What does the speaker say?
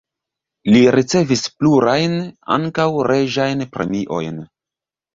Li ricevis plurajn, ankaŭ reĝajn premiojn.